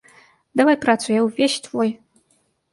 Давай працу, я ўвесь твой.